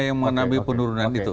yang menambah penurunan itu